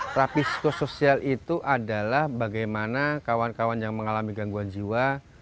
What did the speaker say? terapi psikosoial itu adalah bagaimana kawan kawan yang mengalami gangguan jiwa